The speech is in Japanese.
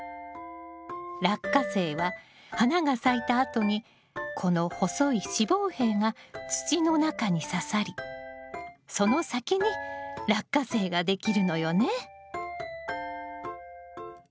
ラッカセイは花が咲いたあとにこの細い子房柄が土の中にささりその先にラッカセイができるのよね。